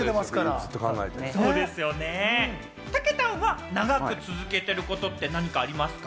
たけたんは長く続けていることって何かありますか？